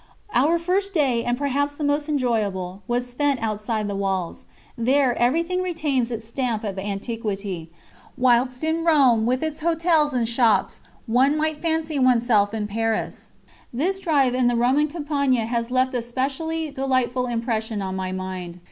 Our first day, and perhaps the most enjoyable, was spent outside the walls. There, everything retains its stamp of antiquity, whilst in Rome, with its hotels and shops, one might fancy oneself in Paris. This drive in the Roman Campagna has left a specially delightful impression on my mind.